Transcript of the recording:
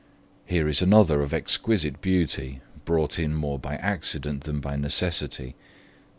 Here is another of exquisite beauty, brought in more by accident than by necessity.